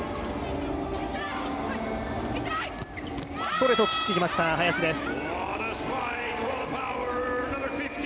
ストレートを切っていきました、林です。